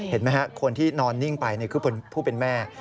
เห็นไหมฮะคนที่นอนนิ่งไปคือผู้เป็นแม่